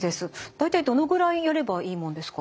大体どのぐらいやればいいもんですか？